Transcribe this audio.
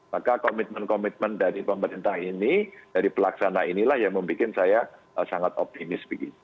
maka komitmen komitmen dari pemerintah ini dari pelaksana inilah yang membuat saya sangat optimis